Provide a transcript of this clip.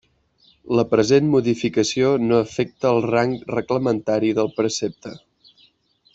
La present modificació no afecta el rang reglamentari del precepte.